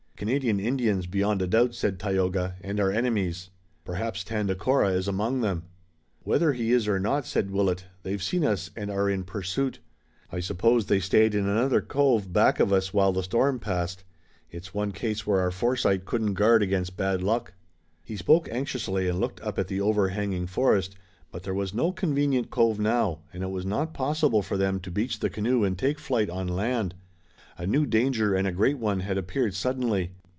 "Canadian Indians, beyond a doubt," said Tayoga, "and our enemies. Perhaps Tandakora is among them." "Whether he is or not," said Willet, "they've seen us and are in pursuit. I suppose they stayed in another cove back of us while the storm passed. It's one case where our foresight couldn't guard against bad luck." He spoke anxiously and looked up at the overhanging forest. But there was no convenient cove now, and it was not possible for them to beach the canoe and take flight on land. A new danger and a great one had appeared suddenly.